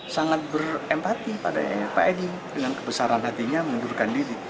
sangat berempati pada pak edi dengan kebesaran hatinya mengundurkan diri